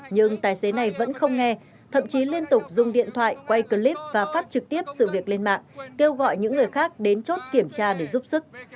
nhưng tài xế này vẫn không nghe thậm chí liên tục dùng điện thoại quay clip và phát trực tiếp sự việc lên mạng kêu gọi những người khác đến chốt kiểm tra để giúp sức